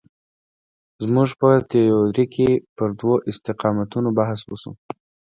زموږ په تیورۍ کې پر دوو استقامتونو بحث وشو.